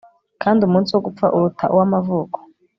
kandi umunsi wo gupfa uruta uw'amavuko